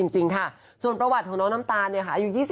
ซับต่อนะคะจากโรงพยาบาลจิริลาส